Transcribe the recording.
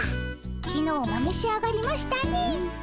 きのうも召し上がりましたね。